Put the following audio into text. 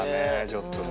ちょっとね。